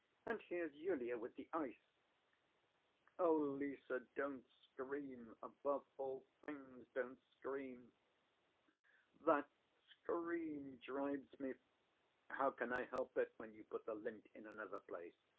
And here's Yulia with the ice!" "Oh, Lise, don't scream, above all things don't scream. That scream drives me ... How can I help it when you put the lint in another place?